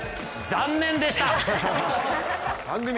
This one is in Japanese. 残念でした！